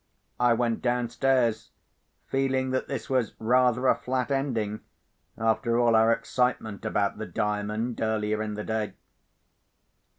I went downstairs, feeling that this was rather a flat ending, after all our excitement about the Diamond earlier in the day.